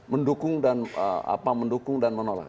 mendukung dan menolak